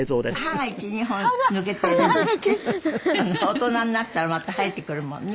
「大人になったらまた生えてくるもんね」